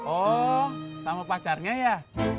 oh sama pacarnya ya